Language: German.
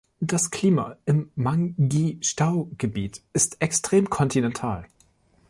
Das Klima im Mangghystau-Gebiet ist extrem kontinental.